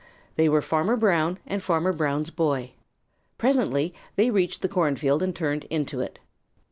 They were Farmer Brown and Farmer Brown's boy. Presently they reached the cornfield and turned into it.